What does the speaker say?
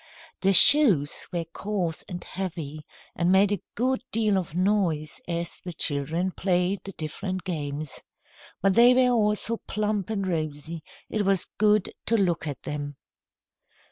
Their shoes were coarse and heavy, and made a good deal of noise as the children played the different games. But they were all so plump and rosy, it was good to look at them.